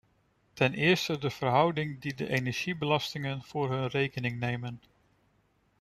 Ten eerste de verhouding die de energiebelastingen voor hun rekening nemen.